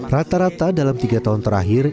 rata rata dalam tiga tahun terakhir